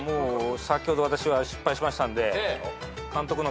先ほど私は失敗しましたんで。